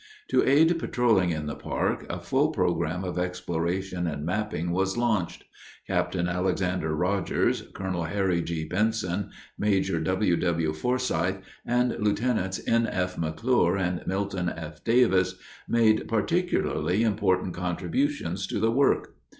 To aid patrolling in the park, a full program of exploration and mapping was launched. Capt. Alexander Rodgers, Col. Harry G. Benson, Major W. W. Forsyth, and Lts. N. F. McClure and Milton F. Davis made particularly important contribution to the work.